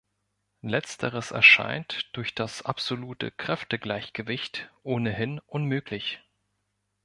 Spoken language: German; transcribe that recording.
Letzteres erscheint durch das absolute Kräftegleichgewicht ohnehin unmöglich.